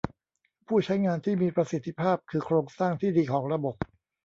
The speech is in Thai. ผู้ใช้งานที่มีประสิทธิภาพคือโครงสร้างที่ดีของระบบ